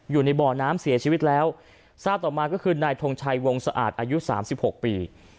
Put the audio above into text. อยู่ในบ่อน้ำเสียชีวิตแล้วทราบต่อมาก็คือนายทงชัยวงสะอาดอายุสามสิบหกปี